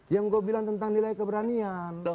yang saya bilang tentang wilayah keberanian